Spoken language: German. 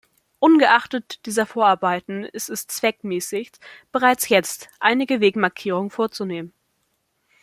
Ungeachtet dieser Vorarbeiten ist es zweckmäßig, bereits jetzt einige Wegmarkierungen vorzunehmen.